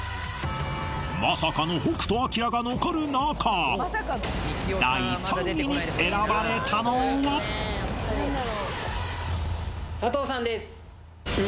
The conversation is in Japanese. まさかの北斗晶が残る中第３位に選ばれたのは佐藤さんですえ